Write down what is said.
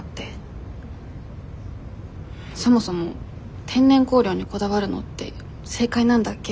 そもそも天然香料にこだわるのって正解なんだっけ？